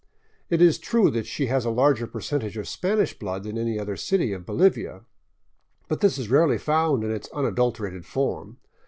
It is true that she has a larger percentage of Spanish blood than any other city of Bolivia, but this is rarely found in its unadulterated form.